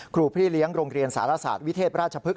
ครูพี่เลี้ยงโรงเรียนสารศาสตร์วิเทศราชพฤกษ